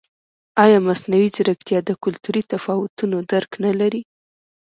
ایا مصنوعي ځیرکتیا د کلتوري تفاوتونو درک نه لري؟